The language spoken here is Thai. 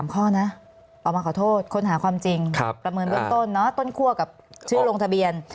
พ่อนะออกมาขอโทษค้นหาความจริงประเมินเบื้องต้นต้นคั่วกับชื่อลงทะเบียน